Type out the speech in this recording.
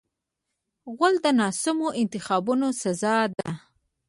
غول د ناسمو انتخابونو سزا ده.